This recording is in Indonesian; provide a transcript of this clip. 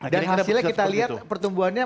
dan hasilnya kita lihat pertumbuhannya